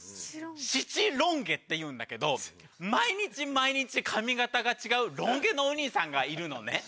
七ロン毛っていうんだけど毎日毎日髪形が違うロン毛のお兄さんがいるのね。